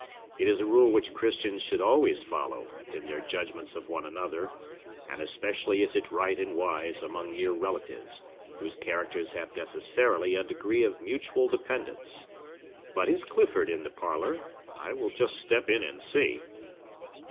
It is a rule which Christians should always follow, in their judgments of one another; and especially is it right and wise among near relatives, whose characters have necessarily a degree of mutual dependence. But is Clifford in the parlor? I will just step in and see."